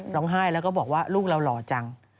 ร้องไห้แล้วก็บอกว่าลูกเราหล่อจัง